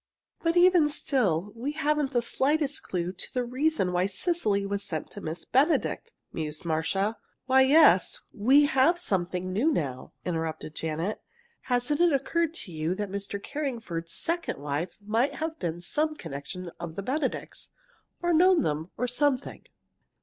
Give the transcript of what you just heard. "But even still, we haven't the slightest clue to the reason why Cecily was sent to Miss Benedict," mused Marcia. "Why, yes, we have something new now," interrupted Janet. "Hasn't it occurred to you that Mr. Carringford's second wife might have been some connection of the Benedicts, or known them, or something?"